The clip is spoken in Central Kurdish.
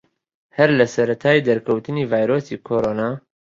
هەر لە سەرەتای دەرکەوتنی ڤایرۆسی کۆرۆنا